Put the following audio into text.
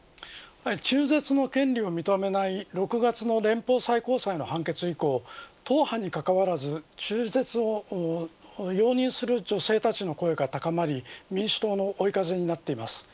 中絶の権利を認めない６月の連邦最高裁の判決以降党派にかかわらず中絶を容認する女性たちの声が高まり民主党の追い風になっています。